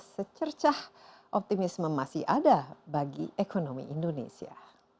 secercah optimisme masih ada bagi ekonomi indonesia